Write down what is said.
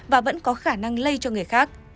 và vẫn có khả năng lây cho người khác